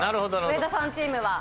上田さんチームは？